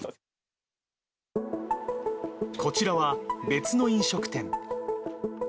こちらは、別の飲食店。